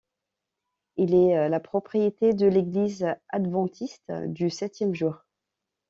Il est la propriété de l'église adventiste du septième jour.